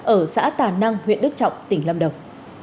ở xã tà năng huyện đức trọng tỉnh lâm đồng